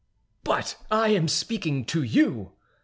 "But I am speaking to you!"